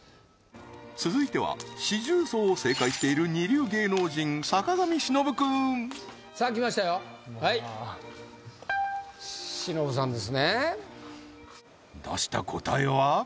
続いては四重奏を正解しているさあ来ましたよはい忍さんですね出した答えは？